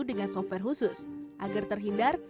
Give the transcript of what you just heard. dengan software khusus agar terhindar